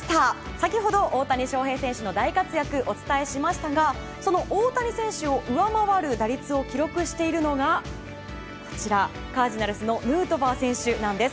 先ほど大谷翔平選手の活躍をお伝えしましたがその大谷選手を上回る打率を記録しているのがカージナルスのヌートバー選手なんです。